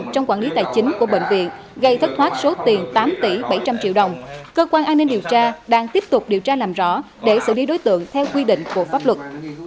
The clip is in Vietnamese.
cơ quan an ninh điều tra đang tiếp tục điều tra làm rõ để xử lý đối tượng theo quy định của pháp luật